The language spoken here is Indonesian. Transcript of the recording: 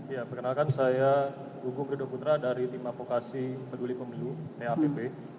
ya perkenalkan saya gugung ridho putra dari tim apokasi peduli pemilu napb